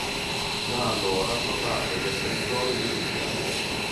Da allora fa parte del territorio di Biscaglia.